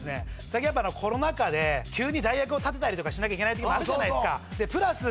最近やっぱコロナ禍で急に代役を立てたりとかしなきゃいけない時もあるじゃないですかでプラス